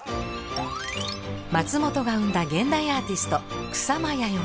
松本が生んだ現代アーティスト草間彌生。